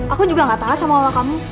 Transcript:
aku juga gak tau sama mama kamu